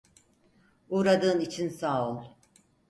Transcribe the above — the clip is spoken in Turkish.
Uğradığın için sağ ol.